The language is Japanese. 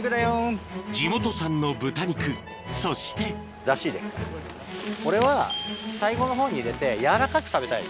地元産の豚肉そして俺は最後のほうに入れて軟らかく食べたい。